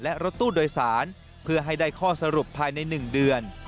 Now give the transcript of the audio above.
และรถตู้โดยสารเพื่อให้ได้ข้อสรุปภายใน๑เดือน